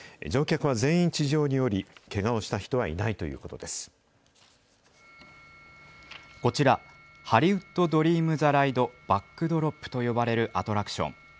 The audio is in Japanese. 乗客は全員、地上に降り、けがをこちら、ハリウッド・ドリーム・ザ・ライド・バックドロップと呼ばれるアトラクション。